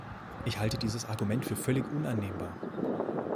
Ich halte dieses Argument für völlig unannehmbar.